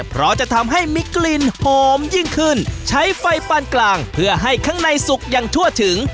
เพราะจะทำให้มีกลิ่นหอมยิ่งขึ้นใช้ไฟปานกลางเพื่อให้ข้างในสุกอย่างทั่วถึง